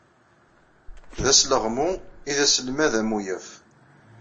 D asleɣmu i d aselmad amuyaf.